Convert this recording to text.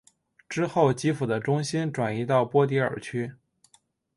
之后基辅的中心转移到波迪尔区。